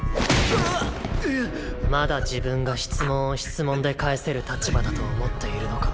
まだ自分が質問を質問で返せる立場だと思っているのか？